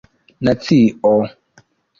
nacio